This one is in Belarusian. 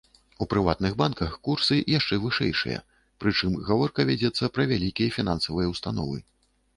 У прыватных банках курсы яшчэ вышэйшыя, прычым гаворка вядзецца пра вялікія фінансавыя ўстановы.